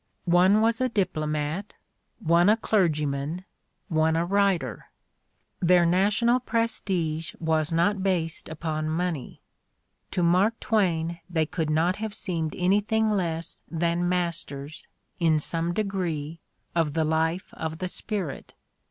One was a diplomat, one a clergy In the Crucible 93 man, one a writer ; their national prestige was not based upon money ; to Mark Twain they could not have seemed anything less than masters, in some degree, of the life of the spirit.